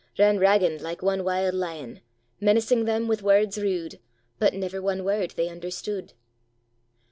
Ran ragand like ane wild lion. Menacing them with words rude, But never ane word they understood.